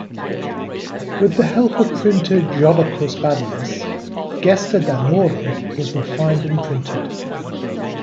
With the help of printer Jodocus Badius, "Gesta Danorum" was refined and printed.